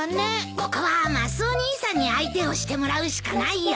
ここはマスオ兄さんに相手をしてもらうしかないよ。